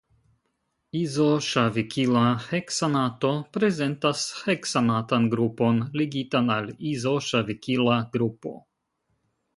Izoŝavikila heksanato prezentas heksanatan grupon ligitan al izoŝavikila grupo.